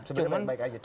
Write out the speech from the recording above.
sebenarnya baik saja